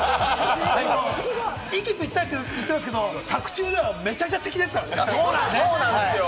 息ぴったりって言ってますけれども、作中ではめちゃくちゃ敵ですからね。